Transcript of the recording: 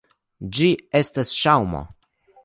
Ĝi estas ŝaŭmo.